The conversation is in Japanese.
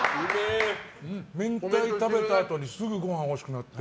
明太食べたあとにすぐにご飯が欲しくなって。